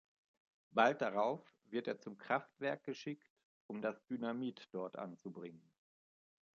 Bald darauf wird er zum Kraftwerk geschickt, um das Dynamit dort anzubringen.